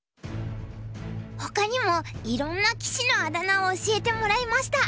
ほかにもいろんな棋士のあだ名を教えてもらいました。